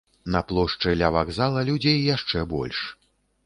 На плошчы, ля вакзала, людзей яшчэ больш.